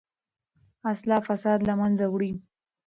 اصلاح فساد له منځه وړي.